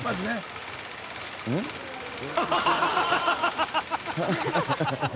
ハハハハ！